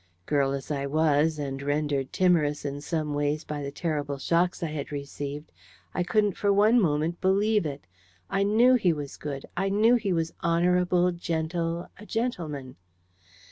Girl as I was, and rendered timorous in some ways by the terrible shocks I had received, I couldn't for one moment believe it. I KNEW he was good: I KNEW he was honourable, gentle, a gentleman.